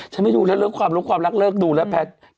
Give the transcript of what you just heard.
ฉันไม่ดูแล้วเลิกความรักเลิกดูแล้วแพทย์